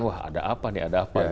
wah ada apa nih ada apa